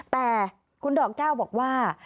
แต่คุณดอกแก้วบอกว่า